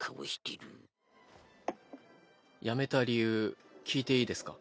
辞めた理由聞いていいですか？